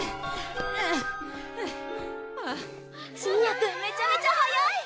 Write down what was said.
晋也君めちゃめちゃ速い！